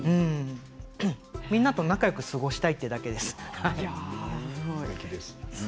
みんなと仲よく過ごしたいと思っているだけです。